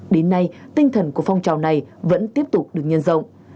đến nay tinh thần của phong trào này vẫn tiếp tục được nhân rộng